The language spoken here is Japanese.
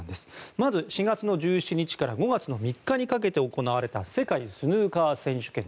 まず、４月１７日から５月３日にかけて行われた世界スヌーカー選手権。